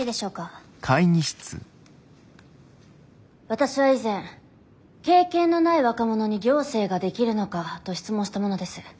私は以前「経験のない若者に行政ができるのか」と質問した者です。